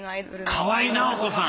河合奈保子さん。